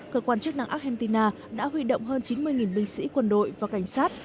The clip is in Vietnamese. cơ quan chức năng argentina đã huy động hơn chín mươi binh sĩ quân đội và cảnh sát